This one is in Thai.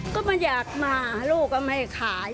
ก็มันอยากมาลูกก็ไม่ขาย